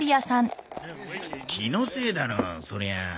気のせいだろそりゃあ。